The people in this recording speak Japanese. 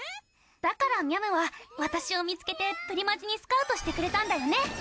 だからみゃむは私を見つけてプリマジにスカウトしてくれたんだよね。